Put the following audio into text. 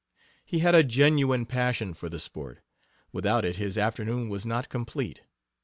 He had a genuine passion for the sport; without it his afternoon was not complete.